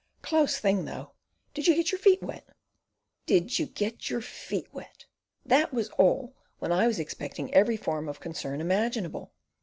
"Close thing, though! Did you get your feet wet?" "Did you get your feet wet!" That was all, when I was expecting every form of concern imaginable.